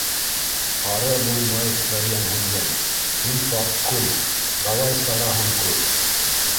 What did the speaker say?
Ары булмай, Мәрйәм һеңлем, һин — парткум, давай, сараһын күр